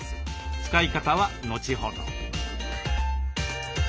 使い方は後ほど。